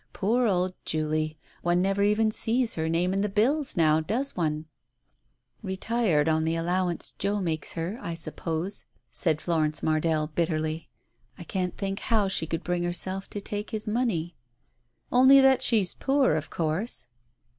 Poor old Juley ! One never even sees her name in the bills now, does one ?" Digitized by Google 60 TALES OF THE UNEASY "Retired on the allowance Joe makes her, I suppose," said Florence Mardell bitterly. "I can't think how she could bring herself to take his money ?" "Only that she's poor, of course."